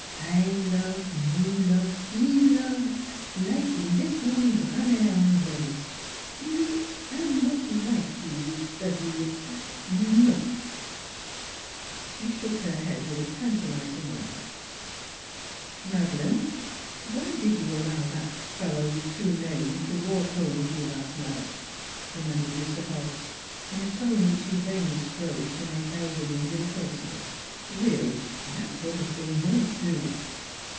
... I lo ve you lo ve 'e lo ove like leqon in gram maire Anglaise. Me I not like to es tudy 'er non! " She shook her head with a tantalizing laugh. NEIGHBORS 293 " Madeleine, why did you allow that fellow with two names to walk home with you last night?" demanded Mr. Hobbs, in a tone which he vainly strove to make elderly and impersonal. " Really, that sort of thing won't do."